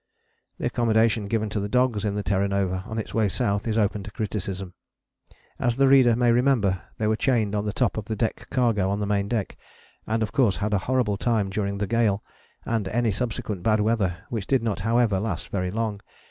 The accommodation given to the dogs in the Terra Nova on the way south is open to criticism. As the reader may remember, they were chained on the top of the deck cargo on the main deck, and of course had a horrible time during the gale, and any subsequent bad weather, which did not however last very long.